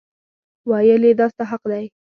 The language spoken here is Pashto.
ویل یې دا ستا حق دی.